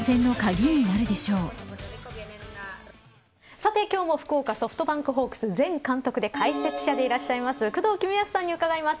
さて、今日も福岡ソフトバンクホークス前監督で解説者でいらっしゃいます工藤公康さんに伺います。